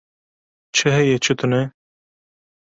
Çi heye çi tune?